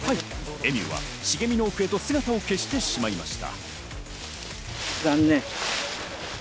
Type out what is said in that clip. エミューは茂みの奥へと姿を消してしまいました。